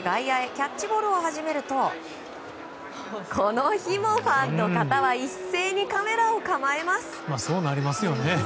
キャッチボールを始めるとこの日もファンの方は一斉にカメラを構えます。